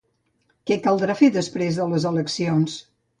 Què caldrà fer després de les eleccions?